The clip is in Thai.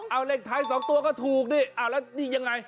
เอาเลขท้าย๒ตัวก็ถูกดิอ้าวแล้วนี่ยังไง